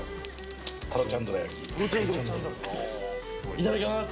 ・いただきます。